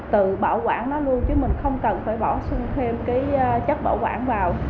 tự bảo quản nó luôn chứ mình không cần phải bỏ sung thêm chất bảo quản vào